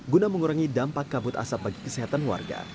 guna mengurangi dampak kabut asap bagi kesehatan warga